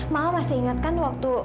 mama masih ingatkan waktu